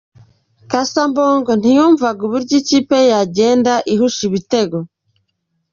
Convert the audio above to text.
Casa Mbungo ntyumvaga uburyo ikipe ye yagendaga ihusha ibitego.